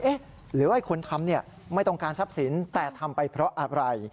หรือว่าคนทำไม่ต้องการทรัพย์สินแต่ทำไปเพราะอะไร